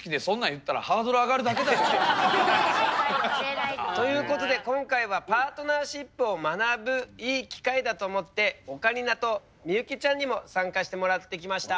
言ったらハードル上がるだけだよ。ということで今回はパートナーシップを学ぶいい機会だと思ってオカリナと幸ちゃんにも参加してもらってきました。